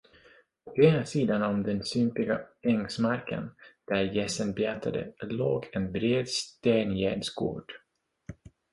På ena sidan om den sumpiga ängsmarken, där gässen betade, låg en bred stengärdsgård.